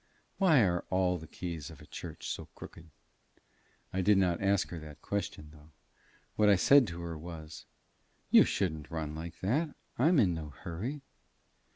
Why are all the keys of a church so crooked? I did not ask her that question, though. What I said to her, was "You shouldn't run like that. I am in no hurry."